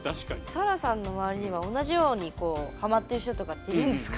さらさんの周りには同じようにハマってる人とかっているんですか？